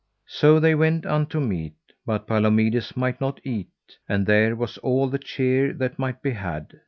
So they went unto meat, but Palomides might not eat, and there was all the cheer that might be had.